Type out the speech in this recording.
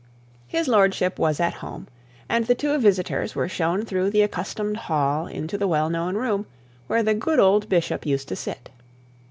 His lordship was at home, and the two visitors were shown through the accustomed hall into the well known room, where the good old bishop used to sit.